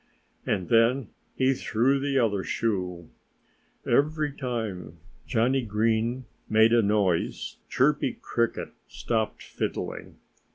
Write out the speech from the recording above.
And then he threw the other shoe. Every time Johnnie Green made a noise Chirpy Cricket stopped fiddling.